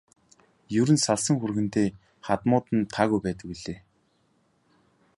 Ер нь салсан хүргэндээ хадмууд нь таагүй байдаг билээ.